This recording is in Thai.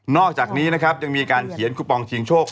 อกจากนี้นะครับยังมีการเขียนคูปองชิงโชค